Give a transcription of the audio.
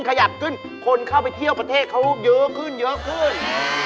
คนเข้าไปเที่ยวประเทศเขาเยอะขึ้นเยอะขึ้น